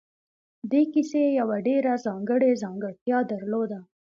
دې کیسې یوه ډېره ځانګړې ځانګړتیا درلوده